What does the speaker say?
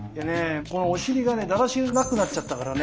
このお尻がねだらしなくなっちゃったからね